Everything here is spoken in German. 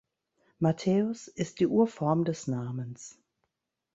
Matthäus ist die Urform des Namens.